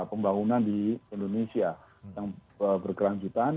pembangunan di indonesia yang berkelanjutan